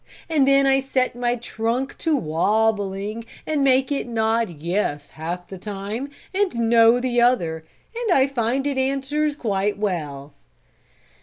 And then I set my trunk to wobbling and make it nod 'yes' half the time and 'no' the other, and I find it answers quite well."